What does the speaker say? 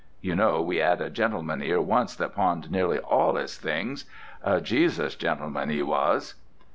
(You know we 'ad a gent'man 'ere once that pawned nearly all 'is things—a Jesus gentleman 'e was.)